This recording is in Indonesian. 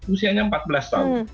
usianya empat belas tahun